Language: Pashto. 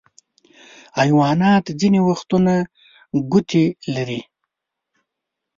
حیوانات ځینې وختونه ګوتې لري.